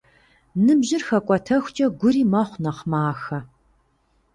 Ныбжьыр хэкӏуэтэхукӏэ, гури мэхъу нэхъ махэ.